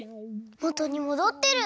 もとにもどってる。